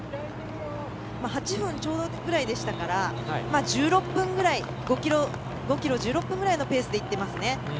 ８分ちょうどぐらいでしたから５ｋｍを１６分くらいのペースでいっています。